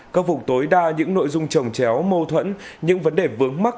các vụ tối đa những nội dung trồng chéo mâu thuẫn những vấn đề vướng mắc